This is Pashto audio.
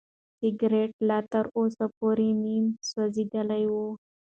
سګرټ لا تر اوسه پورې نیم سوځېدلی و.